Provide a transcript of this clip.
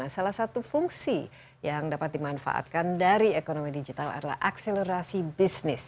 salah satu fungsi yang dapat dimanfaatkan dari ekonomi digital adalah akselerasi bisnis